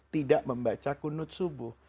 tidak membaca kunud subuh